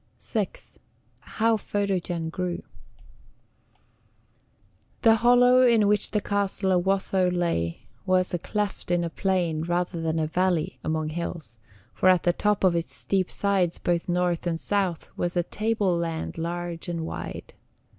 VI. HOW PHOTOGEN GREW. The hollow in which the castle of Watho lay was a cleft in a plain rather than a valley among hills, for at the top of its steep sides, both north and south, was a table land large and wide.